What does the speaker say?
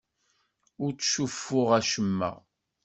Ur ttcuffuɣ acemma.